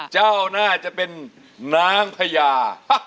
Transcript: เจ้าน่าจะเป็นนางพยา